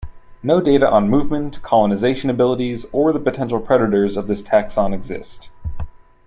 No data on movement, colonization abilities, or the potential predators of this taxon exist.